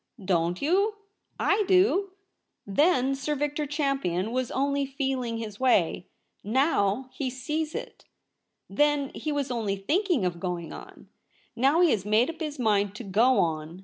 ' Don't you ? I do. T/ie7i Sir Victor Champion was only feeling his way. JVow he sees it. Then he was only thinking of going on. Now he has made up his mind to go on.